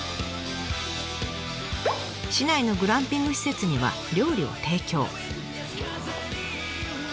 市内のグランピング施設には料理を提供。